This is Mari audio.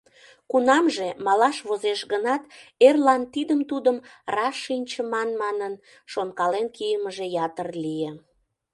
Кунамже, малаш возеш гынат, эрлан тидым-тудым раш шинчыман манын, шонкален кийымыже ятыр лие.